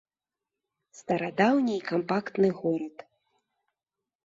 Старадаўні і кампактны горад.